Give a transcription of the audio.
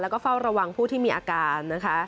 แล้วก็เฝ้าระวังผู้ที่มีอาการนะคะ